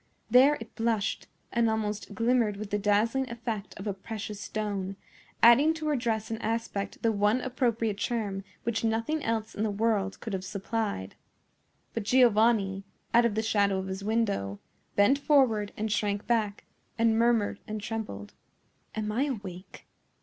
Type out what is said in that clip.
There it blushed, and almost glimmered with the dazzling effect of a precious stone, adding to her dress and aspect the one appropriate charm which nothing else in the world could have supplied. But Giovanni, out of the shadow of his window, bent forward and shrank back, and murmured and trembled. "Am I awake?